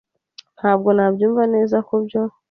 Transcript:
Ntabwo nabyumva neza kubyo.